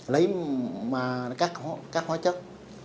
lấy các hóa chất